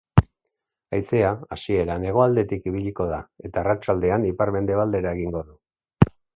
Haizea, hasieran, hegoaldetik ibiliko da eta arratsaldean ipar-mendebaldera egingo du.